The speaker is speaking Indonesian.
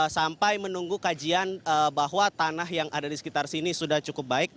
sampai menunggu kajian bahwa tanah yang ada di sekitar sini sudah cukup baik